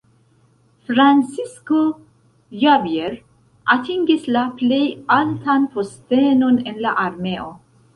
Francisco Javier atingis la plej altan postenon en la armeo.